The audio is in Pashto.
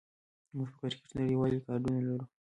موږ په کرکټ کې نړیوال ریکارډونه لرو.